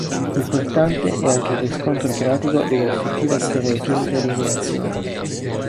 Importante è anche il riscontro pratico della effettiva stereochimica di reazione.